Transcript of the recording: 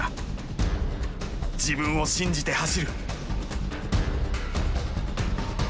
自分を信じて走る。